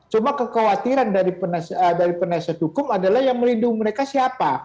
cuma kekhawatiran dari penasihat hukum adalah yang melindungi mereka siapa